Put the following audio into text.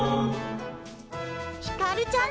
ひかるちゃん上手！